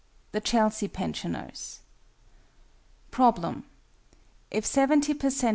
THE CHELSEA PENSIONERS. Problem. If 70 per cent.